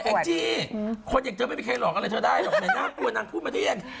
อย่าไอฟจี้คนเย็นเจ้าไม่มีใครหลอกเท่าไรเถอะน่ากลัวนางผู้ประเทศ